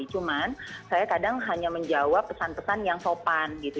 cuman saya kadang hanya menjawab pesan pesan yang sopan gitu